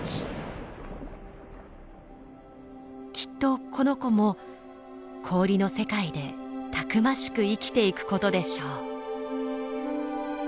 きっとこの子も氷の世界でたくましく生きていくことでしょう。